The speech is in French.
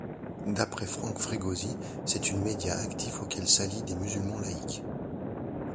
D'après Franck Frégosi, c'est une média actif auquel s'allient des musulmans laïques.